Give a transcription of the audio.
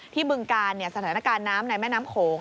บึงกาลสถานการณ์น้ำในแม่น้ำโขง